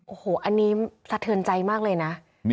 โอ้โหอันนี้สะเทือนใจมากเลยนะ